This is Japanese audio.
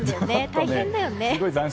大変だよね。